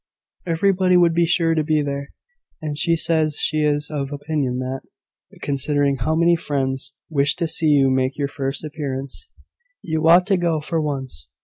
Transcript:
Everybody would be sure to be there: and she says she is of opinion that, considering how many friends wish to see you make your first appearance, you ought to go, for once.